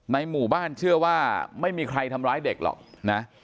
หมู่บ้านเชื่อว่าไม่มีใครทำร้ายเด็กหรอกนะ